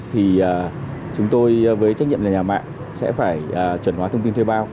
thì chúng tôi với trách nhiệm là nhà mạng sẽ phải chuẩn hóa thông tin thuê bao